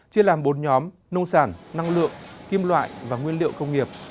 chia làm bốn nhóm nông sản năng lượng kim loại và nguyên liệu công nghiệp